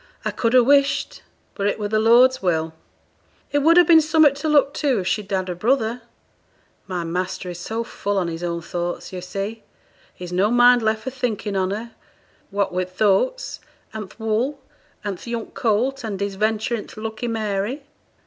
I could ha' wished but it were the Lord's will It would ha' been summut to look to, if she'd had a brother. My master is so full on his own thoughts, yo' see, he's no mind left for thinking on her, what wi' th' oats, and th' wool, and th' young colt, and his venture i' th' Lucky Mary.'